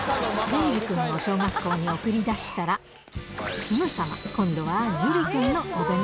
剣侍君を小学校に送り出したら、すぐさま、今度はジュリくん